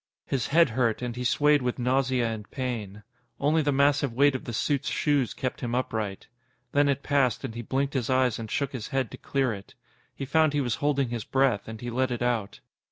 His head hurt, and he swayed with nausea and pain. Only the massive weight of the suit's shoes kept him upright. Then it passed, and he blinked his eyes and shook his head to clear it. He found he was holding his breath, and he let it out.